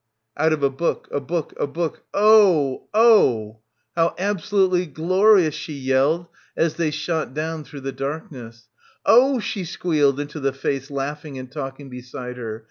... Out of a book a book a book — Oh — ooooh — how absolutely glorious, she yelled as they shot down through the darkness. OA, she squealed into the face laughing and talking beside her.